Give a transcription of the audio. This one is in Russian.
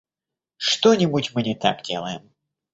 Что-нибудь мы не так делаем.